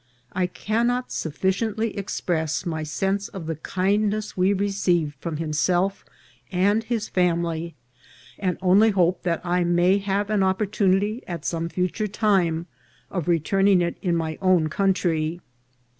I cannot sufficiently express my sense of the kindness we receiv ed from himself and his family, and only hope that I may have an opportunity at some future time of return ing it in my own country.